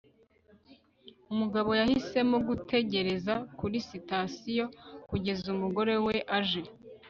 umugabo yahisemo gutegereza kuri sitasiyo kugeza umugore we aje